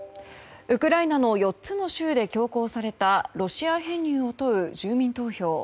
ウクライナの４つの州で強行されたロシア編入を問う住民投票。